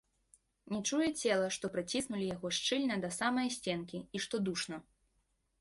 Не чуе цела, што прыціснулі яго шчыльна да самае сценкі і што душна.